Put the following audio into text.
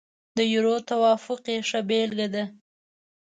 د یورو توافق یې ښه بېلګه ده.